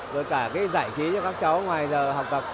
rồi cả cái giải trí cho các cháu ngoài giờ học tập